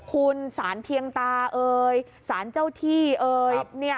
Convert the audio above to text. คุณสารเพียงตาเอ่ยสารเจ้าที่เอ่ย